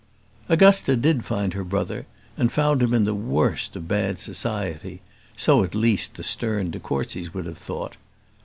Augusta did find her brother, and found him in the worst of bad society so at least the stern de Courcys would have thought.